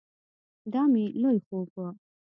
دا مې لوی خوب ؤ